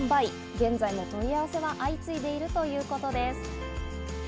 現在も問い合わせは相次いでいるということです。